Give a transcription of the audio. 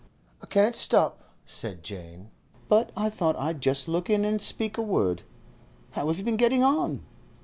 'I can't stop,' said Jane, 'but I thought I'd just look in and speak a word. How have you been getting on?